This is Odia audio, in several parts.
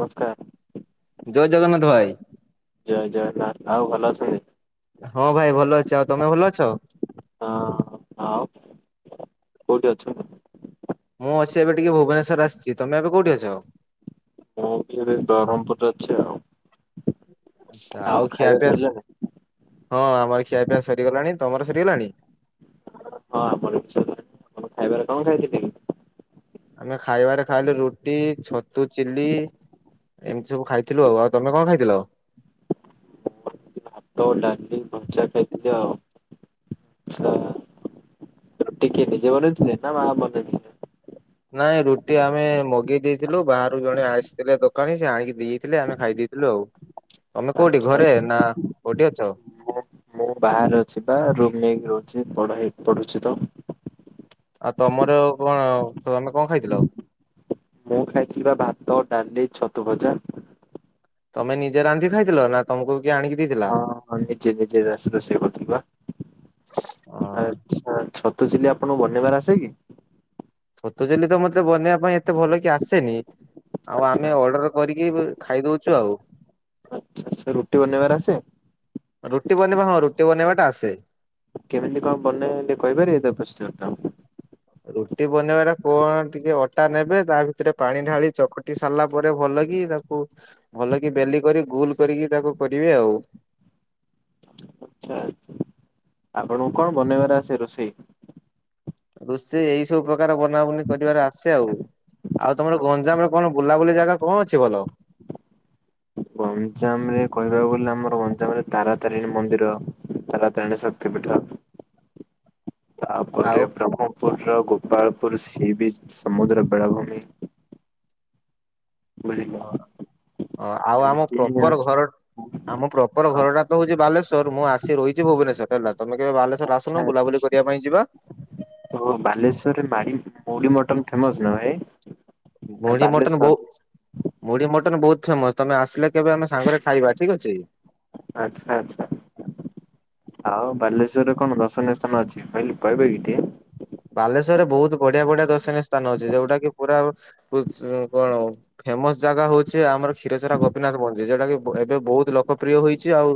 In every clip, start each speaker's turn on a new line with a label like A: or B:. A: ନମସ୍କାର।
B: ଜୟ ଜଗନ୍ନାଥ ଭାଇ।
A: ଜୟ ଜଗନ୍ନାଥ ଆଉ ଭଲ ଅଛନ୍ତି?
B: ହଁ ଭାଇ ଭଲ ଅଛି ଆଉ ତମେ ଭଲ ଅଛ?
A: ହଁ ଆଉ କୋଉଠି ଅଛ?
B: ମୁଁ ଅଛି ଏବେ ଟିକେ ଭୁବନେଶ୍ୱର ଆସିଚି। ତମେ ଏବେ କଉଠି ଅଛ?
A: ମୁଁ ବି ସେ ବରମପୁରରେ ଅଛି ଆଉ
B: ଆଚ୍ଛା
A: ଆଉ ଖାଇବା
B: ଖିଆପିଆ
A: ସରିଲାଣିି?
B: ହଁ ଆମର ଖିଆ ପିଆ ସରିଗଲାଣି। ତମର ସରିଗଲାଣି?
A: ହଁ ଆମର ବି ସାରିଲାଣି ଆପଣ ଖାଇବାରେ କଣ ଖାଇଥିଲେ?
B: ଆମେ ଖାଇବାରେ ଖାଇଲୁ ରୁଟି ଛତୁ ଚିଲ୍ଲି। ଏମିତି ସବୁ ଖାଇଥିଲୁ ଆଉ ଆଉ ତମେ କଣ ଖାଇଥିଲ।
A: ଭାତ ଡାଲି କଞ୍ଚା ଖାଇଥିଲେ ଆଉ [unintelligible] ରୁଟି କିଏ ନିଜେ ବନେଇଥିଲେ ନା ମା ବନେଇଥିଲେ?
B: ନାଇଁ ରୁଟି ଆମେ ମଗେଇ ଦେଇଥିଲୁ ବାହାରୁ ଜଣେ ଆସିଥିଲେ ଦୋକାନୀ ସେ ଆଣିକି ଦେଇଥିଲେ ଆମେ ଖାଇ ଦେଇଥିଲୁ ଆଉ।
A: [unintelligible]
B: ତମେ କୋଉଠି ଘରେ
A: ଆଚ୍ଛା
B: ନା କୋଉଠି ଅଛ?
A: ମୁଁ ମୁଁ ବାହାରେ ଅଛି ବା ରୁମ ନେଇକି ରହୁଚି ପଢ ହେ ପଢୁଚି ତ।
B: ଆଉ ତମର କଣ ତମେ କ ଖାଇଥିଲ?
A: ମୁଁ ଖାଇଥିଲି ବା ଭାତ ଡାଲି ଛତୁ ଭଜା।
B: ତମେ ନିଜେ ରାନ୍ଧି ଖାଇଥିଲ ନା ତମକୁ କିଏ ଆଣିକି ଦେଇଥିଲା?
A: ହଁ ନିଜେ ନିଜେ ରାଶ ରୋଷେଇ କରୁଥିଲି ବା। ଆଚ୍ଛା ଛତୁ ଚିଲି ଆପଣଙ୍କୁ ବନେଇବାରେ ଆସେ କି?
B: ଛତୁଚିଲି ତ ମତେ ବନେଇବା ପାଇଁ ଏତେ ଭଲେ କି ଆସେନି। ଆଉ
A: ଆଚ୍ଛା
B: ଆମେ ଅର୍ଡର କରିକି ବୁ ଖାଇ ଦଉଚୁ ଆଉ।
A: ଆଚ୍ଛା ଆଚ୍ଛା ରୁଟି ବାନେଇବାରେ ଆସେ।
B: ରୁଟି ବନେଇବା ହଁ ରୁଟି ବନେଇବା ଟା ଆସେ।
A: କେମିତି କଣ ବନେଇଲେ ତା ପ୍ରୋସିଜର ଟା।
B: ରୁଟି ବନେଇବା ଟା କଣ ଟିକେ ଅଟା ନେବେ ତା ଭିତରେ ପାଣି ଢାଳି ଚକଟି ସେ ସାରିଲା ପରେ ଭଲ କି ତାକୁ ଭଲ କି ବେଲି କରି ଗୋଲ କରିକି ତାକୁ କରିବେ ଆଉ।
A: ଆଚ୍ଛା। ଆପଣଙ୍କୁ କଣ ବନେଇବାର ଆସେ ରୋଷେଇ?
B: ରୋଷେଇ ଏଇ ସବୁ ପ୍ରକାର ବନାବୁନି କରିବାରେ ଆସେ ଆଉ। ଆଉ ତମର
A: ଆଚ୍ଛା।
B: ଗଞ୍ଜାମରେ କଣ ବୁଲାବୁଲି ଜାଗା କଣ ଅଛି ଭଲ?
A: ଗଞ୍ଜାମ ରେ କହିବାକୁ ଗଲେ ଆମର ଗଞ୍ଜାମରେ ତାରାତାରିଣୀ ମନ୍ଦିର। ତାରା ତାରିଣୀ ଶକ୍ତି ପୀଠ। ତାପରେ
B: ଆଉ
A: ବ୍ରହ୍ମପୁର ର ଗୋପାଳପୁର ସିଏ ବିଚ୍ ସମୁଦ୍ର ବେଳାଭୂମି। ବୁଝିଲ
B: ହଁ ଆଉ ଆମ
A: ଏମିତି
B: ପ୍ରପର
A: ଅଛି
B: ଘର ଆମ ପ୍ର ପ୍ରପର
A: କଣ
B: ଘରଟା ତ ହଉଛି ବାଲେଶ୍ୱର ମୁଁ ଆସି ରହିଚି ଭୁବନେଶ୍ୱର ହେଲା ତମେ କେବେ ବାଲେଶ୍ୱର ଆସୁନ
A: ଆଚ୍ଛା
B: ବୁଲାବୁଲି କରିଆ ପାଇଁ ଯିବା।
A: ଅ ବାଲେଶ୍ୱରରେ ମାଳି ମୁଢ଼ି ମଟନ ଫେମସ୍ ନା ଭାଇ?
B: ମୁଢ଼ି ମୋଟନ୍
A: ବାଲେଶ୍ଵର
B: ବୋ ମୁଢ଼ି ମଟନ୍ ବହୁତ ଫେମସ୍ ତମେ ଆସିଲେ କେବେ ଆମେ ସାଙ୍ଗରେ ଖାଇବା ଠିକ୍ ଅଛି।
A: ଆଚ୍ଛା ଆଚ୍ଛା। ଆଉ ବାଲେଶ୍ବର୍ ରେ କଣ ଦର୍ଶନୀୟ ସ୍ଥାନ ଅଛି କହିଲି କହିବେ କି ଟିକେ?
B: ବାଲେଶ୍ଵର୍ ରେ ବହୁତ ବଢିଆ ବଢିଆ ଦର୍ଶନୀୟ ସ୍ଥାନ ଅଛି ଯୋଉଟା କି ପୁରା କଣ ଫେମସ ଜାଗା ହୋଉଛି ଆମର କ୍ଷୀରଚରା ଗୋପୀନାଥ ମଞ୍ଜି ଯଉଟା କି ଏବେ ବହୁତ ଲୋକପ୍ରିୟ ହୋଇଛି ଆଉ।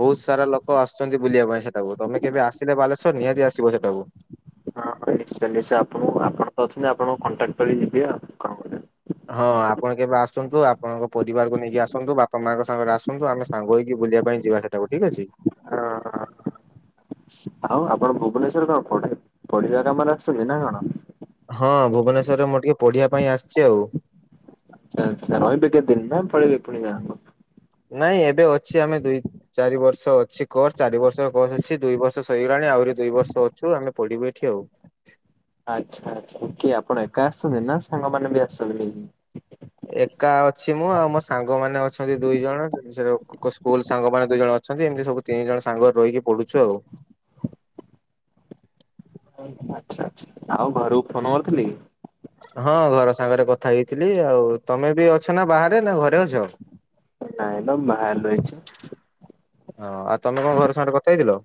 B: ବହୁତ ସାରା ଲୋକ ଆସୁଛନ୍ତି ବୁଲିବା ପାଇଁ ସେଟାକୁ ତମେ କେବେ ଆସିଲେ ବାଲେଶ୍ୱର୍ ନିହାତି ଆସିବ ସେଟାକୁ।
A: ହଁ ନିଶ୍ଚୟ ନିଶ୍ଚୟ ଆପଣଙ୍କୁ ଆପଣ ତ ଅଛନ୍ତି ଆପଣଙ୍କୁ କଣ୍ଟାକ୍ଟ୍ କରିକି ଯିବି ଆଉ କଣ। କରିବା।
B: ହଁ ଆପଣ କେବେ ଆସନ୍ତୁ ଆପଣଙ୍କ ପରିବାରକୁ ନେଇକି ଆସନ୍ତୁ ବାପା ମାଙ୍କ ସାଙ୍ଗରେ ଆସନ୍ତୁ ଆମେ ସାଙ୍ଗ ହେଇକି ବୁଲିବା ପାଇଁ ଯିବା ସେଇଟାକୁ ଠିକ୍ ଅଛି।
A: ଆଉ ଆପଣ ଭୁବନେଶ୍ଵର୍ ରେ କଣ ପ ପଢିବା କାମରେ ଆସୁଛନ୍ତି ନା କଣ?
B: ହଁ ଭୁବନେଶ୍ଵରରେ ମୁଁ ଟିକେ ପଢିବା ପାଇଁ ଆସିଛି ଆଉ।
A: ଆଚ୍ଛା ଆଚ୍ଛା ରହିବେ କେତେ ଦିନ୍ ନା ପଳେଇବେ ପୁଣିି ଗାଁ କୁ?
B: ନାଇଁ ଏବେ ଅଛି ଆମେ ଦୁଇ ଚାରି ବର୍ଷ ଅଛି କରଚ୍ ଚାରି ବର୍ଷ କସ୍ ଅଛି ଦୁଇ ବର୍ଷ ସରିଗଲାଣି ଆହୁରି ଦୁଇ ବର୍ଷ ଅଛୁ ଆମେ ପଡିବୁ ଏଠି ଆଉ।
A: ଆଚ୍ଛା ଆଚ୍ଛା କିଏ ଆପଣ ଏକା ଆସିଛନ୍ତି ନା ସାଙ୍ଗମାନେ ବି ଆସିଛନ୍ତି ନେଇ
B: ଏକା ଅଛି ମୁଁ ଆଉ ମୋ ସାଙ୍ଗ ମାନେ ଅଛନ୍ତି ଦୁଇ ଜଣ ସେଏ ତାଙ୍କ ସ୍କୁଲ ସାଙ୍ଗମାନେ ଦୁଇ ଜଣ ଅଛନ୍ତି ଏମିତି ସବୁ ତିନ୍ ଜଣ ସାଙ୍ଗ ରହିକି ପଢୁଛୁ ଆଉ।
A: ଆଚ୍ଛା ଆଚ୍ଛା ଆଉ ଘରକୁ ଫୋନ କରିଥିଲେ କି?
B: ହଁ ଘର ସାଙ୍ଗରେ କଥା ହେଇଥିଲି ଆଉ ତମେ ବି ଅଛ ନା ବାହାରେ ନା ଘରେ ଅଛ?
A: ନାଇଁ ନା ବାହାରେ ରହିଛି।
B: ହଁ ଆଉ ତମେ କଣ ଘରେ ସାଙ୍ଗ୍ ରେ କଥାହେଇଥିଲ?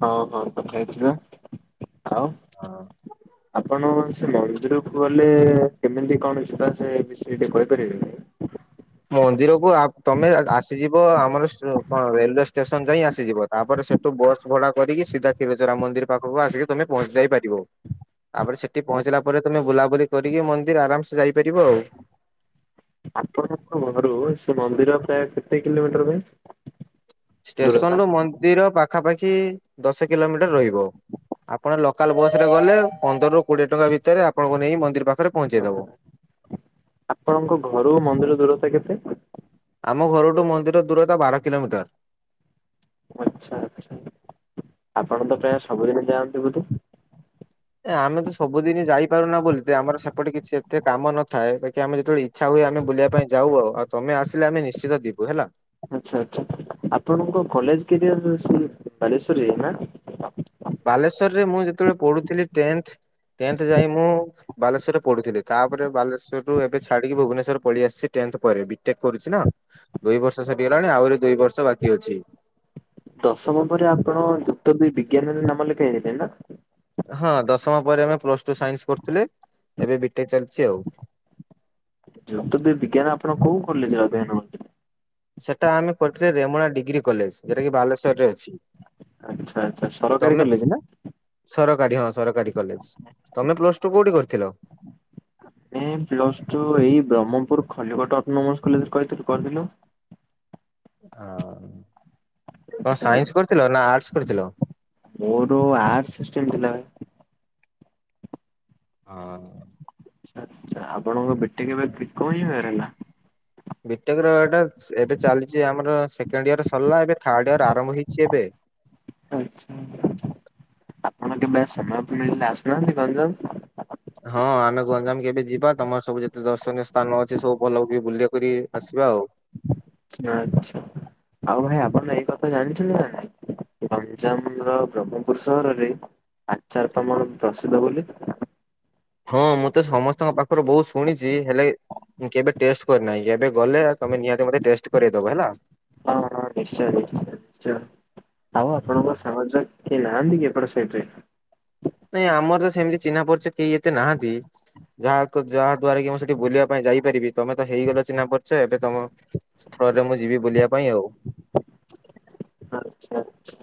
A: ହଁ ହଁ କଥାହେଇ ଥିଲି ବା ଆଉ
B: ଅ ହ।
A: [unintelligible] ଆପଣଙ୍କ ସେ ମନ୍ଦିରକୁ ଗଲେ କେମିତି କଣ ଯିବା ଆସିବା ବିଷୟ ଟିକେ କହିପାରିବେନି?
B: ମନ୍ଦିରକୁ ଆପ୍ ତମେ ଏଣ୍ଟ ଆସିଯିବ ଆମର ସୁ କଣ ରେଲୱେ ଷ୍ଟେସନ୍ ଯାଇଁ ଆସିଯିବ। ତା ପରେ ସେଠୁ ବସ୍ ଭଡ଼ା କରିକି ସିଧା କ୍ଷୀରଚରା ମନ୍ଦିର ପାଖକୁ ଆସିକି ତମେ ପହଞ୍ଚି ଯାଇ ପାରିବ। ତା ପରେ ସେଠି ପହଁଞ୍ଚିଲା ପରେ ତୁମେ ବୁଲାବୁଲି କରିକି ମନ୍ଦିର ଆରାମ୍ସେ ଯାଇପାରିବ ଆଉ।
A: ଆପଣ? ତମ ଘରୁ ସେ ମନ୍ଦିର ପ୍ରାୟ କେତେ କିଲୋମିଟର ପାଇଁ?
B: ଷ୍ଟେସନ୍ଲୋ ମନ୍ଦିର ପାଖାପାଖି ଦଶ କିଲୋମିଟର୍ ରହିବ। ଆପଣ ଲୋକାଲ୍ ବସ୍ ରେ ଗଲେ। ପନ୍ଦରରୁୁ କୋଡ଼ିଏ ଟଙ୍କା ଭିତରେ ଆପଣଙ୍କୁ ନେଇ ମନ୍ଦିର୍ ପାଖରେ ପହଞ୍ଚେଇଦବ।
A: ଆପଣଙ୍କ ଘରୁ ମନ୍ଦିର ଦୂରତା କେତେ?
B: ଆମ ଘରଠୁ ମନ୍ଦିର ଦୂରତା ବାର କିଲୋମିଟର୍।
A: ଆଚ୍ଛା ଆଚ୍ଛା। ଆପଣ ତ ପ୍ରାୟ ସବୁଦିନେ ଯାଆନ୍ତି ବୁଧେ?
B: ଏ ଆମେ ତ ସବୁଦିନି ଯାଇପାରୁନା ବୋଲି ତେ ଆମର ସେପଟେ କିଛି ଏତେ କାମ ନଥାଏ। ବାକି ଆମେ ଯେତେବେଳେ ଇ ଚ୍ଛା ହୁଏ ଆମେ ବୁଲିବା ପାଇଁ ଯାଉ ଆଉ। ଆଉ ତମେ ଆସିଲେ ଆମେ ନିଶ୍ଚିତ ଯିବୁ ହେଲା।
A: ଆଚ୍ଛା ଆଚ୍ଛା ଆପଣଙ୍କ କଲେଜ୍ କ୍ରିଅରେ ସେ ବାଲେଶ୍ଵର୍ରେ ନାଁ?
B: ବାଲେଶ୍ୱର୍ ରେ ମୁଁ ଯେତେବେଳେ ପଢ଼ୁଥିଲି ଟେନ୍ଥ ଟେନ୍ଥ ଯାଏଁ ମୁଁ ବାଲେଶ୍ବର୍ରେ ପଢ଼ୁଥିଲେ ତା ପରେ ବାଲେଶ୍ୱର ରୁ ଏବେ ଛାଡ଼ିକି ଭୁବନେଶ୍ୱର୍ ପଳିଆସିଛି ଟେନ୍ଥ ପରେ ବିଟେକ୍ କରୁଛି ନା। ଦୁଇ ବର୍ଷ ସେଠିହେଲାଣି ଆହୁରି ଦୁଇ ବର୍ଷ ବାକି ଅଛି।
A: ଦଶମ ପରେ ଆପଣ ଯୁକ୍ତ ଦୁଇ ବିଜ୍ଞାନରେ ନାମ ଲେଖାଇଁ ଥିଲେ ନା?
B: ହଁ ଦଶମ ପରେ ଆମେ ପ୍ଲସ୍ ଟୁ ସାଇନ୍ସ କରୁଥିଲେ ଏବେ ବିଟେକ୍ ଚାଲିଛି ଆଉ।
A: ଯୁକ୍ତ ଦୁଇ ବିଜ୍ଞାନେ ଆପଣ କଉ କଲେଜ୍ରେ ଅଧୀୟନ ହଅଁନ୍ତି?
B: ସେଟା ଆମେ କରିଥିଲେ ରେମୁଣା ଡ଼ୀଗ୍ରୀ କଲେଜ୍ ଯେଟାକି ବାଲେଶ୍ୱର୍ ରେ ଅଛି।
A: ଆଚ୍ଛା ଆଚ୍ଛା ସରକାରୀ
B: ତମେ
A: କଲେଜ୍ ନାଁ?
B: ସରକାରୀ ହଁ ସରକାରୀ କଲେଜ୍। ତମେ ପ୍ଲସ୍ ଟୁ କୋଉଠି କରିଥିଲ?
A: ମୁଁ ପ୍ଲସ୍ ଟୁ ଏଇ ବ୍ରହ୍ମପୁର ଖଲିକଟ ଅଟୋନୋମର୍ସ କଲେଜରେ କହିଥିଲୁ କରିଦେଲୁ।
B: ହଁ କଣ
A: ଆଚ୍ଛା
B: ସାଇନ୍ସ କରିଥିଲ ନାଁ ଆଡ଼୍ସ୍ କରିଥିଲ?
A: ମୋର ତ ଆର୍ଟ୍ସ ସିଷ୍ଟମ୍ ଥିଲା।
B: ହଁ।
A: ଆଛା ଆପଣଙ୍କ ବିଟେକ୍ କେବେ କ୍ରିକ ହିଁ ହେଡ଼୍ ହେଲା।
B: ବିଟେକ ର ଏଇଟା ଚେ ଏବେ ଚାଲିଛି ଆମର ସେକେଣ୍ଡି ଇୟର ସରିଲା। ଏବେ ଥାଡ଼୍ ଇୟର ଆରମ୍ଭ ହେଇଛି ଏବେ।
A: [inaudible] ମନ୍ତେ ମେ ସମୟ ପିଳିଲେ ଆସୁନାହାନ୍ତି ଗଞ୍ଜାମକୁ?
B: ହଁ ଆମେ ଗଞ୍ଜାମ୍ କେବେ ଯିବା ତମର ସବୁ ଯେତେ ଦର୍ଶନୀୟ ସ୍ଥାନ ଅଛି ସବୁ ଭଲ ବୁକ୍କି କରି ଆସିବା ଆଉ।
A: ଆଚ୍ଛା ଆଉ ଭାଇ ଆପଣ ଏଇ କଥା ଜାଣିଛନ୍ତି ନା ନାଇଁ? ଗଞ୍ଜାମ୍ ର ବ୍ରହ୍ମପୁର ସହରରେ ଆଚ୍ଚାର ତମୋର ପ୍ରସିଦ୍ଧ ବୋଲି।
B: ହଁ ମୁଁ ତ ସମସ୍ତଙ୍କ ପାଖରୁ ବହୁତ୍ ଶୁଣିଛି ହେଲେ। ମୁଁ କେବେ ଟେଷ୍ଟେ କରିନାହିଁ ଏବେ ଗଲେ ତମେ ନିହାତି ମୋତେ ଟେଷ୍ଟ କରାଇଦବ ହେଲା?
A: ହଁ ହଁ ନିଶ୍ଚୟ ଦେଖି ନିଶ୍ଚୟ ଆଉ ଆପଣଙ୍କ ସାଙ୍ଗ ଝିଅ କିଏ ନାହାଁନ୍ତି କି ଏପଟ ସାଇଟ୍ରିରେ?
B: ନାଇଁ ଆମର ସେମ୍ତି ଚିନ୍ହା ପରିଚୟ କେଇ ଏତେ ନାହାଁନ୍ତି। ଯାହାକୁ ଯାହା ଦ୍ଵାରା କି ମୁଁ ସେଠି ବୁଲିବା ପାଇଁ ଯାଇପାରିବି ତମେ ତ ହେଇଗଲ ଚିହ୍ନା ପରିଚ ଏବେ ତମ ସ୍ଥରେ ମୁଁ ଯିବି ବୁଲିବା ପାଇଁ ଆଉ।
A: ଚ୍ଛା ଚ୍ଛା।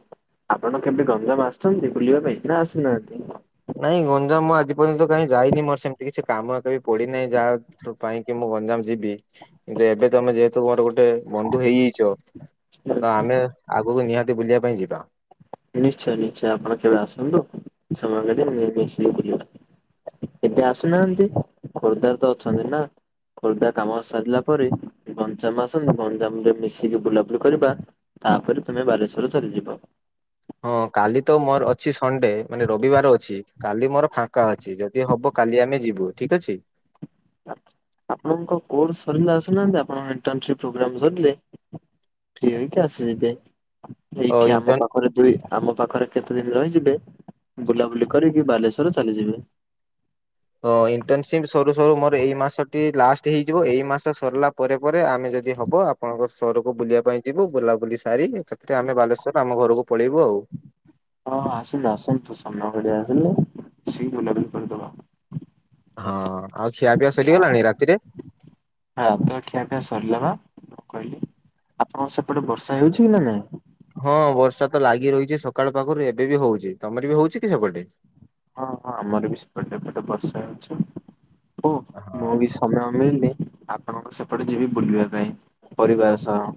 A: ଆପଣ କେବେ ଗଙ୍ଗାମ ଆସ୍ଛନ୍ତି ବୁଲିବା ପାଇଁ ନାଁ ଆସିନାହାଁନ୍ତି?
B: ନାଇଁ ଗଙ୍ଗାମ ଆଜି ପର୍ଯ୍ୟନ୍ତ କାଇଁ ଯାଇନି ମୋର ସେମିତି କିଛି କାମ ଏତେ ବି ପଡ଼ିନାଇଁ ଯାହା ଥ୍ରୁ ପାଇଁକି ମୁଁ ଗଞ୍ଜାମ ଯିବି ବେ ଏବେତ ଆମେ ଯେହେତୁ ମୋର ଗୋଟେ ବନ୍ଧୁ ହେଇହେଇଚ ତ
A: ଆଚ୍ଛା
B: ଆମେ ଆଗକୁ ନିହାତି ବୁଲିବା ପାଇଁ ଯିବା।
A: ନିଶ୍ଚୟ ନିଶ୍ଚୟ ଆପଣ କେବେ ଆସନ୍ତୁ ସମୟ କରି ମିଶିକି ବୁଲିବା। ଏବେ ଆସୁନାହାନ୍ତି ଖୋର୍ଦ୍ଧାରେ ତ ଅଛନ୍ତି ନା। ଖୋର୍ଦ୍ଧା କାମ ସରିଲା ପରେ ଗଞ୍ଜାମ ଆସନ୍ତୁ ଗଞ୍ଜାମରେ ମିଶିକି ବୁଲାବୁଲି କରିବା। ତାପରେ ତମେ ବାଲେଶ୍ଵର ଚାଲିଯିବ।
B: ହଁ କାଲି ତ ମୋର ଅଛି ସଣ୍ଡେ ମାନେ ରବିବାର ଅଛି କାଲି ମୋର ଫାଙ୍କା ଅଛି ଯଦି ହବ କାଲି ଆମେ ଯିବୁ ଠିକ ଅଛି।
A: ଆପଣଙ୍କ କୋର୍ସ ସରିଲା ଆସୁନାହାନ୍ତି ଆପଣଙ୍କ ଇଣ୍ଟନସିପି ପ୍ରୋଗ୍ରାମ ସରିଲେ। ଫି ହେଇକି ଆସିଯିବେ।
B: ଅ
A: ଏଇଠି ଆମ
B: ଇଣ୍ଟନ୍
A: ପାଖରେ ଦୁଇ ଆମ ପାଖରେ କେତେ ଦିନ ରହିଯିବେ। ବୁଲାବୁଲି କରିକି ବାଲେଶ୍ଵର ଚାଲିଯିବେ।
B: ହଁ ଇଣ୍ଟରନସିପ ସରୁ ସରୁ ମୋର ଏଇ ମାସଟି ଲାଷ୍ଟ ହେଇଯିବ ଏଇ ମାସ ସରିଲା ପରେ ପରେ ଆମେ ଯଦି ହବ ଆପ ଆପଣଙ୍କ ସହରକୁ ବୁଲିବା ପାଇଁ ଯିବୁ ବୁଲାବୁଲି ସାରି ସେଥିରେ ଆମେ ବାଲେଶ୍ଵର ଆମ ଘରକୁ ପଳେଇବୁ ଆଉ।
A: ହଁ ଆସନ୍ତୁ ଆସନ୍ତୁ [inaudible] ଭଳିଆ ଆସିଲେ ସି ବୁଲାବୁଲି କରିଦବା।
B: ହଁ ଆଉ ଖିଆ ପିଆ
A: ହଁ
B: ସରିଗଲାଣି ରାତିରେ?
A: ରାତିର ଖିଆ ପିଆ ସରିଲା ବା କହିଲି ଆପଣଙ୍କ ସେପଟେ ବର୍ଷା ହେଉଛି କି ନା ନାଇଁ?
B: ହଁ ବର୍ଷା ତ ଲାଗି ରହିଛି ସକାଳୁ ପାଖରୁ ଏବେ ବି ହଉଛି ତମର ବି ହଉଛି କି ସେପଟେ?
A: ହଁ ହଁ ଆମର ବି ସେପଟେ ଏପଟେ ବର୍ଷା ହେଉଛି ହୁଁ
B: ହଁ
A: ମୁଁ ବି ସମୟ ମିଳଲେ ଆପ ଆପଣଙ୍କ ସେପଟେ ଯିବି ବୁଲିବା ପାଇଁ ପରିବାର ସହ।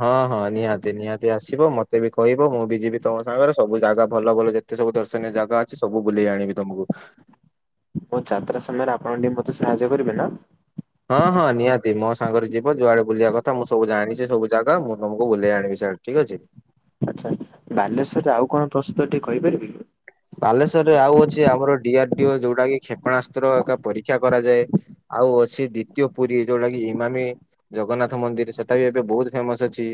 B: ହଁ ହଁ ନିହାତି ନିହାତି ଆସିବ ମତେ ବି କହିବ ମୁଁ ବି ଯିବି ତମ ସାଙ୍ଗରେ ସବୁ ଜାଗା ଭଲ ଭଲ ଯେ ଜେତେ ସବୁ ଦର୍ଶନୀୟ ଜାଗା ଅଛି ସବୁ ବୁଲେଇ ଆଣିବି ତମକୁ।
A: ହଉ ଯାତ୍ରା ସମୟରେ ଆପଣ ଟିକେ ମତେ ସାହାଯ୍ୟ କରିବେ ନା?
B: ହଁ ହଁ ନିହାତି ମୋ ସାଙ୍ଗରେ ଯିବ ଯୁଆଡେ ବୁଲିବା କଥା ମୁଁ ସବୁ ଜାଣିଛି ସବୁ ଜାଗା ମୁଁ ତମକୁ ବୁଲେଇ ଆଣିବି ସେଆଡେ। ଠିକ୍ ଅଛି।
A: ଆଚ୍ଛା ବାଲେଶ୍ଵରରେ ଆଉ କଣ ପ୍ରସିଦ୍ଧ ଟିକେ କହିପାରିବେକି?
B: ବାଲେଶ୍ଵରରେ ଆଉ ଅଛି ଆମର ଡିଆର ଡିଓ ଯୋଉଟା କି କ୍ଷେପଣାସ୍ତ୍ର ଏକା ପରୀକ୍ଷା କରାଯାଏ। ଆଉ ସେ ଦ୍ଵିତୀୟ ପୁରୀ ଯୋଉଟା କି ଇମାମି ଜଗନ୍ନାଥ ମନ୍ଦିର ସେଟା ବି ଏବେ ବହୁତ ଫେମସ ଅଛି।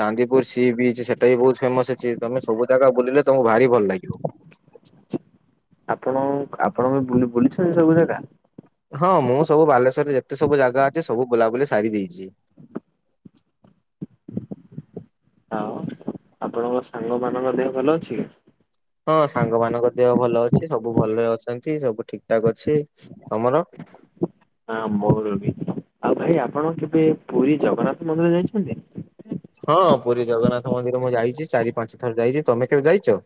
B: ଚାନ୍ଦିପୁର ସି ବିଚ ସେଟା ବି ବହୁତ ଫେମସ ଅଛି ତମେ ସବୁ ଜାଗା ବୁଲିଲେ ତମକୁ ଭାରି ଭଲ ଲାଗିବ।
A: ଆପଣ? ଆପଣ ବି ବୁଲି ବୁଲିଛନ୍ତି ସବୁ ଜାଗା?
B: ହଁ ମୁଁ ସବୁ ବାଲେଶ୍ଵରରେ ଯେତେ ସବୁ ଜାଗା ଅଛି ସବୁ ବୁଲାବୁଲି ସାରି ଦେଇଛି।
A: ହଁ। ଆପଣଙ୍କ ସାଙ୍ଗ ମାନଙ୍କ ଦେହ ଭଲ ଅଛି?
B: ହଁ ସାଙ୍ଗମାନଙ୍କ ଦେହ ଭଲ ଅଛି। ସବୁ ଭଲରେ ଅଛନ୍ତି ସବୁ ଠିକ ଠାକ ଅଛି ତମର?
A: ହଁ ମୋର ବି ଆଉ ଭାଇ ଆପଣ କେବେ ପୁରୀ ଜଗନ୍ନାଥ ମନ୍ଦିର ଯାଇଛନ୍ତି?
B: ହଁ ପୁରୀ ଜଗନ୍ନାଥ ମନ୍ଦିର ମୁଁ ଯାଇଛି ଚାରି ପାଞ୍ଚ ଥର ଯାଇଛି ତମେ କେବେ ଯାଇଛ?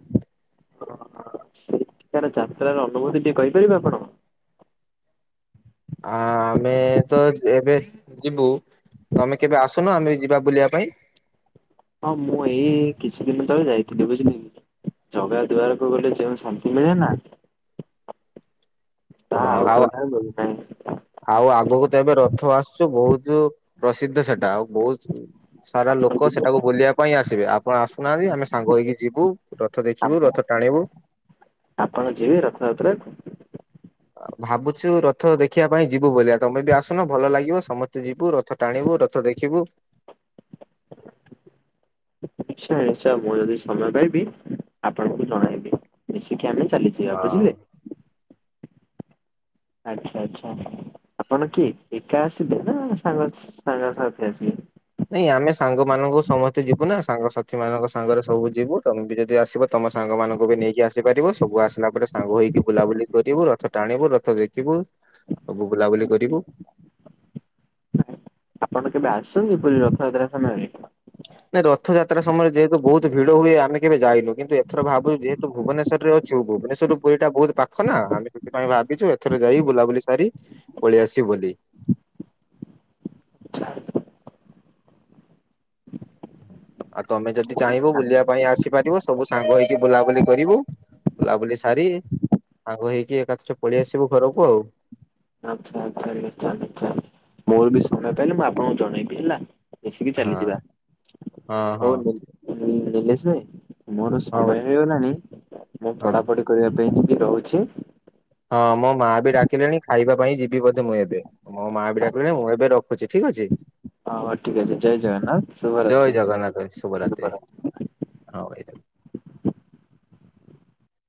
A: ତାର ଯାତ୍ରାର ଅନୁଭୂତି ଟିକିଏ କହିପାରିବେ ଆପଣ?
B: ଆ ଆମେ ତ ଏବେ ଯିବୁ। ତମେ କେବେ ଆସୁନ ଆମେ ଯିବା ବୁଲିବା ପାଇଁ।
A: ହଁ ମୁଁ ଏଇ କିଛି ଦିନ ତଳେ ଯାଇଥିଲି ବୁଝିଲେ କି? ଜଗା ଦୁଆାରକୁ ଗଲେ ଯେଉଁ ଶାନ୍ତି ମିଳେ ନା। ତା ଆଉ କେଉଁଠାରେ ମିଳିନାହିଁ।
B: ଆଉ ଆଗକୁ ତ ଏବେ ରଥ ଆସୁଛୁ ବହୁତ ପ୍ରସିଦ୍ଧ ସେଟା ଆଉ ବହୁତ ସାରା
A: ଆପଣ
B: ଲୋକ
A: ଯିବେ
B: ସେଟାକୁ ବୁଲିବା ପାଇଁ ଆସିବେ ଆପଣ ଆସୁନାହାନ୍ତି ଆମେ ସାଙ୍ଗ ହେଇକି ଯିବୁ। ରଥ
A: ଆପଣ
B: ଦେଖିବୁ ରଥ ଟାଣିବୁ।
A: ଆପଣ ଯିବେ ରଥଯାତ୍ରାକୁ?
B: ଆ ଭାବୁଛୁ ରଥ ଦେଖିବା ପାଇଁ ଯିବୁ ବୋଲି ଆ ତମେ ବି ଆସୁନ ଭଲ ଲାଗିବ ସମସ୍ତେ ଯିବୁ ରଥ। ଟାଣିବୁ ରଥ ଦେଖିବୁ।
A: ନିଶ୍ଚୟ ନିଶ୍ଚୟ ମୁଁ ଯଦି ସମୟ ପାଇବି ଆପଣଙ୍କୁ ଜଣେଇବି ମିଶିକି ଆମେ ଚାଲି ଯିବା
B: ହଁ।
A: ବୁଝିଲେ। ଆଚ୍ଛା ଆଚ୍ଛା। ଆପଣ କିଏ ଏକା ଆସିବେ ନା ସାଙ୍ଗ ସାଙ୍ଗ ସାଥି ଆସିବେ?
B: ନାଇଁ ଆମେ ସାଙ୍ଗମାନଙ୍କୁ ସମସ୍ତେ ଯିବୁ ନା ସାଙ୍ଗସାଥି ମାନଙ୍କ ସାଙ୍ଗରେ ସବୁ ଯିବୁ ତମେ ବି ଯଦି ଆସିବ। ତମ ସାଙ୍ଗମାନଙ୍କୁ ବି ନେଇକି ଆସିପାରିବ ସବୁ ଆସିଲା ପରେ ସାଙ୍ଗ ହେଇକି ବୁଲାବୁଲି କରିବୁ ରଥ ଟାଣିବୁ ରଥ ଦେଖିବୁ। ସବୁ ବୁଲାବୁଲି କରିବୁ।
A: ଆପଣ କେବେ ଆସିଛନ୍ତି ପୁରୀ ରଥଯାତ୍ରା ସମୟ ରେ?
B: ନାଇଁ ରଥଯାତ୍ରା ସମୟରେ ଯେହେତୁ ବହୁତ ଭିଡ ହୁଏ ଆମେ କେବେ ଯାଇନୁ କିନ୍ତୁ ଏଥର ଭାବୁଚୁ ଯେ ତୁ ଭୁବନେଶ୍ବରରେ ଅଛୁ ଭୁବନେଶ୍ୱରରୁ ପୁରୀ ଟା ବହୁତ ପାଖ ନା ଆମେ ସେଥିପାଇଁ ଭାବିଛୁ ଏଥର ଯାଇ ବୁଲାବୁଲି ସାରି ପଳେଇ ଆସିବୁ ବୋଲି।
A: ଚ୍ଛା
B: ଆଉ ତମେ ଯଦି ଚାହିଁବ ବୁଲିବା ପାଇଁ ଆସିପାରିବ ସବୁ ସାଙ୍ଗ ହେଇକି ବୁଲାବୁଲି କରିବୁ। ବୁଲାବୁଲି ସାରି ସାଙ୍ଗ ହେଇକି ଏକାଥରେ ପଳେଇ ଆସିବୁ ଘରକୁ ଆଉ।
A: ଆଚ୍ଛା ଆଚ୍ଛା ନିଶ୍ଚୟ ନିଶ୍ଚୟ ମୋର ବି ସମୟ ପାଇଲେ ମୁଁ ଆପଣଙ୍କୁ ଜଣେଇବି ହେଲା। ମିଶିକି
B: ହଁ
A: ଚାଲିଯିବା
B: ହଁ
A: ହଉ
B: ହଁ
A: ନି-ନିଲେଶ ଭାଇ। ମୋର
B: ହଁ
A: ସମୟ ହେଇଗଲାଣି ମୁଁ
B: ହଁ।
A: ପଢାପଢି କରିବା ପାଇଁ ଯିବି ରହୁଛି।
B: ହଁ ମୋ ମା ବି ଡାକିଲେଣି ଖାଇବା ପାଇଁ ଯିବି ବୋଧେ ମୁଁ ଏବେ। ମୋ ମା ବି ଡାକିଲାଣି ମୁଁ ଏବେ ରଖୁଛି ଠିକ୍ ଅଛି।
A: ହଁ ଠିକ ଅଛି ଜୟ ଜଗନ୍ନାଥ ଶୁଭରାତ୍ରି
B: ଜୟ ଜଗନ୍ନାଥ ଭାଇ ଶୁଭ ରାତ୍ରି
A: ଶୁଭରାତ୍ରି।
B: ହଁ ଭାଇ